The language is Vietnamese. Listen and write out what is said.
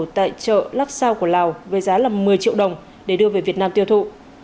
tại chợ lắc sao của lào với giá một mươi triệu đồng để đưa về việt nam tiêu thụ